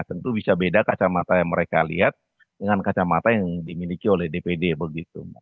tentu bisa beda kacamata yang mereka lihat dengan kacamata yang dimiliki oleh dpd begitu